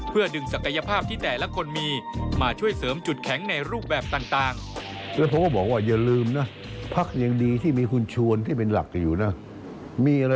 เพื่อดึงศักยภาพที่แต่ละคนมี